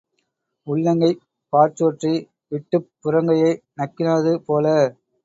உள்ளங்கைப் பாற்சோற்றை விட்டுப் புறங்கையை நக்கினது போல.